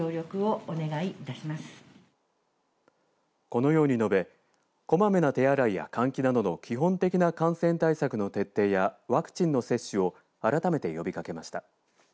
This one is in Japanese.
このように述べこまめな手洗いや換気などの基本的な感染対策の徹底やワクチンの接種を改めて呼びかけました。